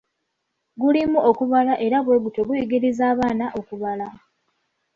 Gulimu okubala era bwe gutyo guyigiriza abaana okubala.